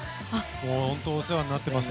本当お世話になってます。